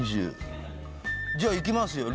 じゃあいきますよ。